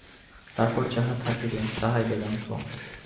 তারপর যাহা থাকিবে, তাহাই বেদান্ত।